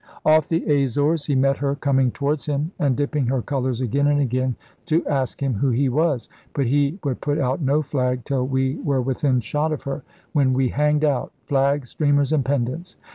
Off the Azores he met her coming towards him and dipping her colors again and again to ask him who he was. *But we would put out no flag till we were within shot of her, when we hanged out flags, streamers, and pendants.